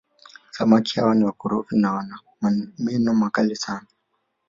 samaki hawa ni wakorofi na wana meno makali sana